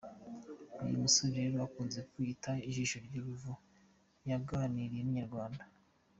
Uyu musore rero ukunze kwiyita Jisho ry’uruvu yaganiriyen’ inyarwanda.